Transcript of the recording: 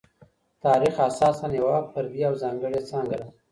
تاریخ اساساً یوه فردي او ځانګړې څانګه ده.